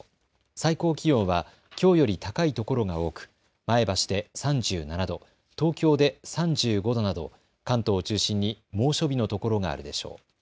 最高気温はきょうより高いところが多く、前橋で３７度、東京で３５度など関東を中心に猛暑日のところがあるでしょう。